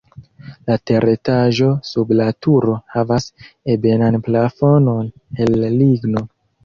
La teretaĝo sub la turo havas ebenan plafonon el ligno.